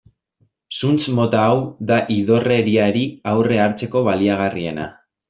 Zuntz mota hau da idorreriari aurre hartzeko baliagarriena.